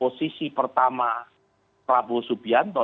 posisi pertama prabowo subianto